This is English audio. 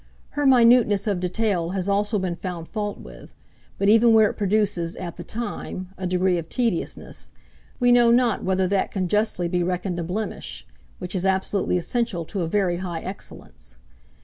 Her minuteness of detail has also been found fault with; but even where it produces, at the time, a degree of tediousness, we know not whether that can justly be reckoned a blemish, which is absolutely essential to a very high excellence.